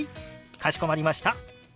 かしこまりました。